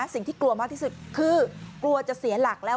สิ่งที่กลัวมากที่สุดคือกลัวจะเสียหลักแล้ว